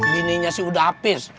bininya sih udah habis